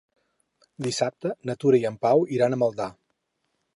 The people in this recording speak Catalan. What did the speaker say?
Dissabte na Tura i en Pau iran a Maldà.